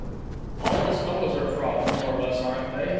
"All these fellows are frauds, more or less, aren't they?"